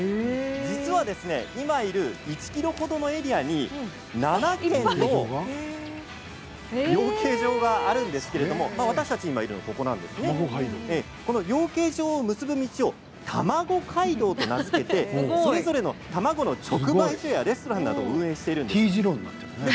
実は今いる１ｋｍほどのエリアに７軒の養鶏場があるんですけれども私たちが今いるのは地図の右下なんですが養鶏場を結ぶ道を、たまご街道と名付けてそれぞれの卵の直売所やレストランなどを運営しているんです。